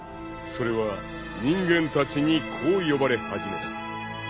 ［それは人間たちにこう呼ばれ始めた］